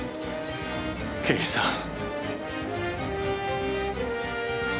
刑事さん。